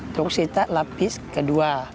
terus kita lapis kedua